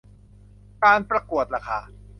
การประกวดราคา